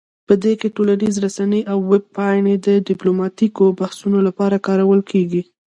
په دې کې ټولنیز رسنۍ او ویب پاڼې د ډیپلوماتیکو بحثونو لپاره کارول کیږي